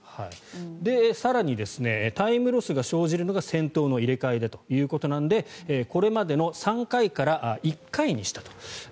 更にタイムロスが生じるのが先頭の入れ替えということなのでこれまでの３回から１回にしたと。